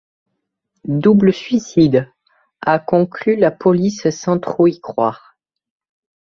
Double suicide, a conclu la police sans trop y croire.